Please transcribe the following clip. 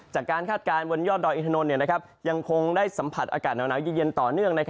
จากการคาดการณ์วันยอดดอยอีธานนท์ยังคงได้สัมผัสอากาศเหนาหนาวเย็นต่อเนื่อง